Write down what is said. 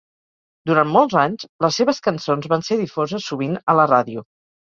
Durant molts anys, les seves cançons van ser difoses sovint a la ràdio.